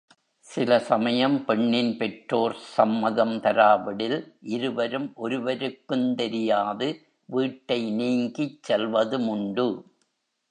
சில சமயம் பெண்ணின் பெற்றோர் சம்மதம் தராவிடில், இருவரும் ஒருவருக்குந் தெரியாது வீட்டை நீங்கிச் செல்வதுமுண்டு.